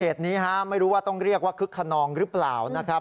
เหตุนี้ฮะไม่รู้ว่าต้องเรียกว่าคึกขนองหรือเปล่านะครับ